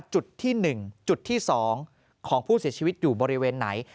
จุดที่๑จุดที่๒ของผู้เสียชีวิตอยู่บริเวณไหน